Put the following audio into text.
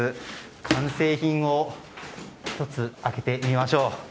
完成品を１つ、開けてみましょう。